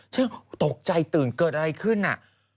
ฉันตกใจตื่นเกิดอะไรขึ้นน่ะ